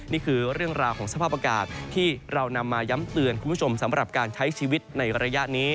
นี่คือเรื่องราวของสภาพอากาศที่เรานำมาย้ำเตือนคุณผู้ชมสำหรับการใช้ชีวิตในระยะนี้